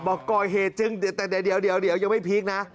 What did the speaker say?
บอกก่อเหตุจริงแต่เดี๋ยวยังไม่พีคนะ